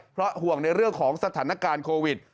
เพราะห่วงในเรื่องของสถานการณ์โควิด